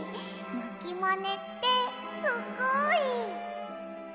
なきまねってすっごい！